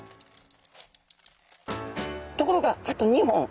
ところがあと２本。